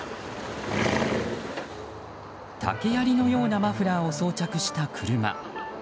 竹やりのようなマフラーを装着した車。